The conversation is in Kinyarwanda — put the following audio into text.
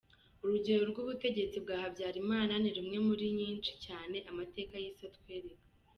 Urugero rw’ubutegetsi bwa Habyarimana ni rumwe muri nyinshi cyane amateka y’isi atwereka.